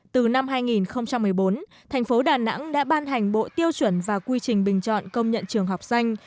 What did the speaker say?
từ năm hai nghìn một mươi bốn thành phố đà nẵng đã ban hành bộ tiêu chuẩn và quy trình bình chọn công nhận trường học xanh